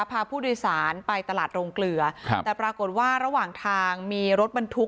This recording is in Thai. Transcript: พาผู้โดยสารไปตลาดโรงเกลือครับแต่ปรากฏว่าระหว่างทางมีรถบรรทุก